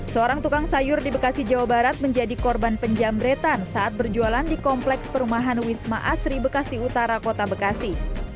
seorang tukang sayur di bekasi jawa barat menjadi korban penjamretan saat berjualan di kompleks perumahan wisma asri bekasi utara kota bekasi